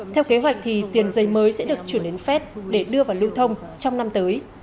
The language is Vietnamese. theo kế hoạch thì tiền giấy mới sẽ được chuyển đến phép để đưa vào lưu thông trong năm tới